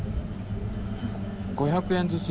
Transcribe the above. ５００円ずつ。